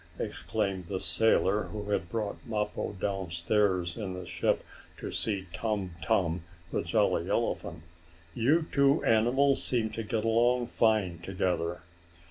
exclaimed the sailor who had brought Mappo downstairs in the ship to see Tum Tum, the jolly elephant. "You two animals seem to get along fine together!"